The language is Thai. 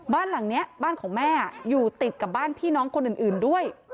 บ้านหลังนี้บ้านของแม่อยู่ติดกับบ้านพี่น้องคนอื่นด้วย